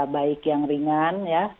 baik yang ringan ya